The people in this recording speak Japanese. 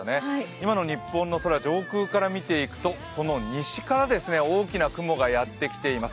今の日本の空上空から見ていくとその西から大きな雲がやってきています。